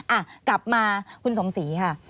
อ่ะกลับมาคุณสมศรีค่ะ